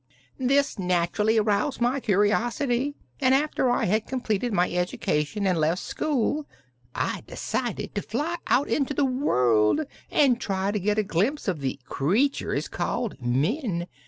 "This naturally aroused my curiosity and after I had completed my education and left school I decided to fly out into the world and try to get a glimpse of the creatures called Men.